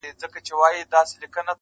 • جنت د حورو دی، دوزخ د سيطانانو ځای دی.